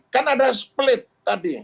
kan ada split tadi